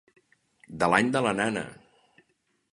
De l'any de la nana.